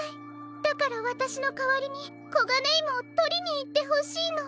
だからわたしのかわりにコガネイモをとりにいってほしいの。